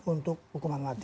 untuk hukuman mati